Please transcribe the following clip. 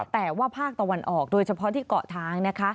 แต่ว่าภาคตะวันออกโดยเฉพาะที่เกาะทางนะคะ